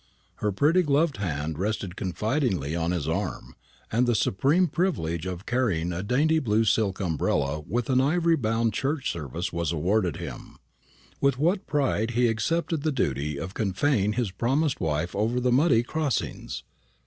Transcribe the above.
Her pretty gloved hand rested confidingly on his arm, and the supreme privilege of carrying a dainty blue silk umbrella and an ivory bound church service was awarded him. With what pride he accepted the duty of convoying his promised wife over the muddy crossings!